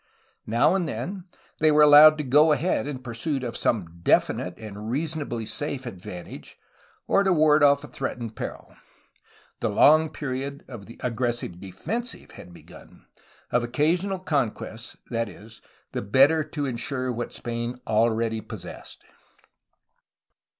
Now and then, they were allowed to go ahead in pursuit of some definite and reasonably safe advantage or to ward off a threatened peril. The long period of the "aggressive defensive'* had begun, — of occasional con quests, that is, the better to ensure what Spain already possessed.